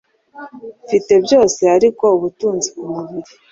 Mfite byose ariko ubutunzi kumubiri.